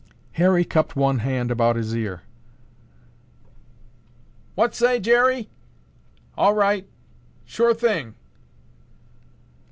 Harry cupped one hand about his ear. "What say, Jerry? All right. Sure thing."